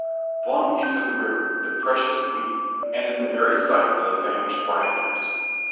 Flung into the river, the precious wheat, and in the very sight of the famished rioters!